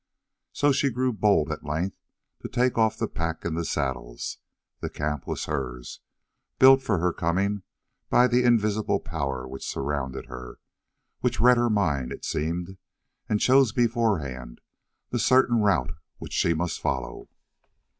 So she grew bold at length to take off the pack and the saddles; the camp was hers, built for her coming by the invisible power which surrounded her, which read her mind, it seemed, and chose beforehand the certain route which she must follow.